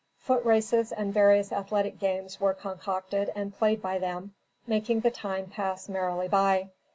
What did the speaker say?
Foot races and various athletic games were concocted and played by them, making the time pass merrily by.